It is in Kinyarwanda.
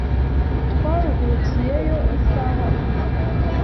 Twaruhukiyeyo isaha imwe.